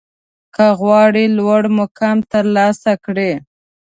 که غواړئ لوړ مقام ترلاسه کړئ